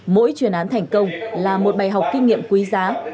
mỗi chuyên án thành công là một bài học kinh nghiệm quý giá